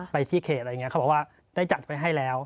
ไปที่เขตอะไรอย่างนี้เขาบอกว่าได้จัดไปให้แล้ว